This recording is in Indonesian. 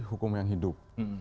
hukum yang hidup